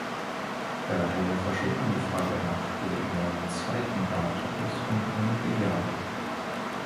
Daher verschob man die Frage nach dem neuen, „zweiten Rathaus“ um einige Jahre.